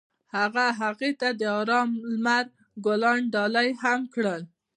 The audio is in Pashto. هغه هغې ته د آرام لمر ګلان ډالۍ هم کړل.